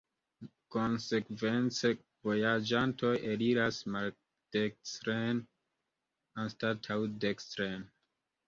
Konsekvence, vojaĝantoj eliras maldekstren anstataŭ dekstren.